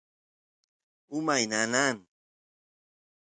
umay nanan